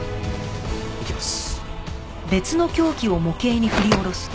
いきます。